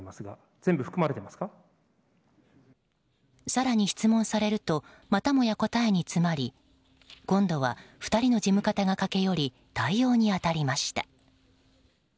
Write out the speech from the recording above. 更に質問されるとまたもや答えに詰まり今度は２人の事務方が駆け寄り対応に当たりました。